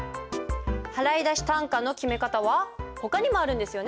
払出単価の決め方はほかにもあるんですよね？